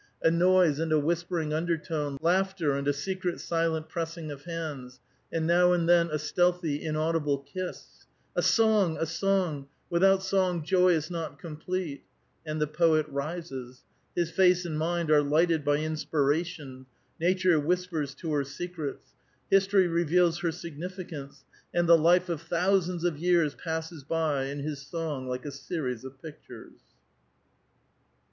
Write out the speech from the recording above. A noise and A VITAL QUESTION. 369 a whispering undertone, laughter, and a secret, silent press ing of hands, and now and then a stealtliy, inaudible kiss. —" A sou^. a song ! without song joy is not complete !" And the poet rises. His face and niiiid are lighted by inspira tion ; nature whispers to her secrets ; history reveals her sig nificance ; and the life of thousands of years passes by in his song like a series of pictures.